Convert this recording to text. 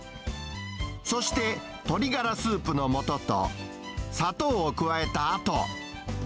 そして鶏がらスープのもとと、砂糖を加えたあと。